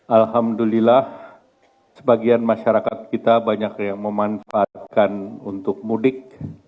alhamdulillah sebagian masyarakat kita banyak yang memanfaatkan untuk mudik